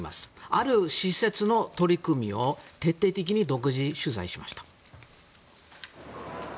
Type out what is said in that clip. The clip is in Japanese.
ある施設の取り組みを徹底的に独自取材しました。